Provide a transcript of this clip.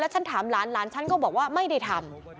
ฉันถามหลานหลานฉันก็บอกว่าไม่ได้ทำ